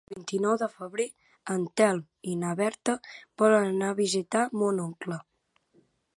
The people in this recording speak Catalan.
El vint-i-nou de febrer en Telm i na Berta volen anar a visitar mon oncle.